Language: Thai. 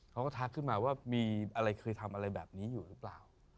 ทักขึ้นมาว่ามีอะไรเคยทำอะไรแบบนี้อยู่หรือเปล่า